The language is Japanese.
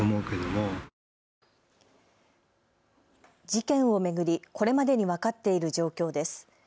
事件を巡り、これまでに分かっている状況です。